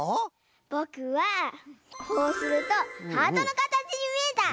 ぼくはこうするとハートのかたちにみえた！